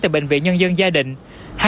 tại bệnh viện nhân dân gia đình